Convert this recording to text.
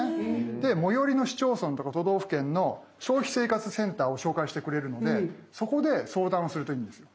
で最寄りの市町村とか都道府県の消費生活センターを紹介してくれるのでそこで相談するといいんですよ。